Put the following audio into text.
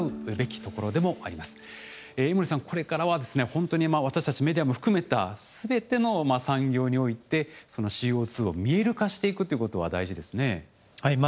本当に私たちメディアも含めたすべての産業においてＣＯを見える化していくということは大事ですね。